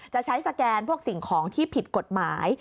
จะใช้สแกนพวกสิ่งของที่ผิดกฎหมาย